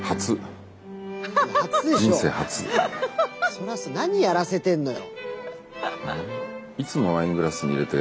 そりゃそう何やらせてんのよ。